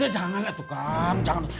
jangan ya tukang jangan